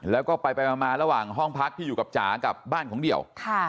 แล้วก็ไปมาระหว่างห้องพักที่อยู่กับจ๋ากับบ้านของเดี่ยว